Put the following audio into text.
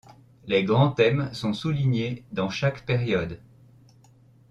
Les grands thèmes sont soulignés dans chaque période.